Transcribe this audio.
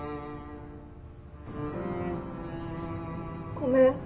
ごめん。